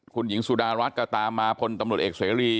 คุณหญิงสุดารัฐก็ตามมาพลตำรวจเอกเสรี